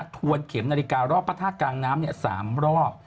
ทวนเข็มนาฬิการอบพระธาตุกลางน้ำ๓รอบ